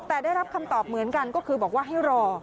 แต่ได้รับคำตอบเหมือนกันก็คือบอกว่าให้รอ